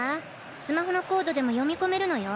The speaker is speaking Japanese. スマホのコードでも読み込めるのよ。